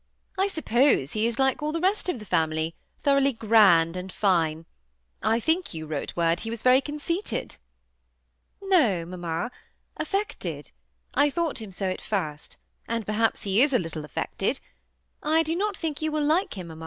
"I suppose he is like all the rest of the family^ thoroughly grand and fine. I think you wrote word he was very conceited." '' No, mamma, affected. I thought him so at first ; and perhaps he is a little affected. I do not think you will like him, mamma."